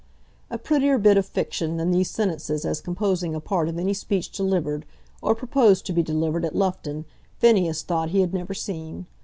A prettier bit of fiction than these sentences as composing a part of any speech delivered, or proposed to be delivered, at Loughton, Phineas thought he had never seen.